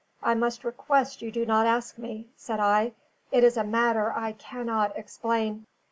"I must request you do not ask me," said I. "It is a matter I cannot explain."